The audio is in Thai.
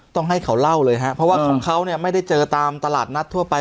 ต้องให้เขาเล่าเลยฮะเพราะว่าของเขาเนี่ยไม่ได้เจอตามตลาดนัดทั่วไป